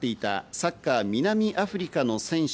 サッカー南アフリカの選手